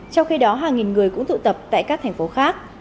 trong khi đó hàng nghìn người cũng tụ tập tại các thành phố khác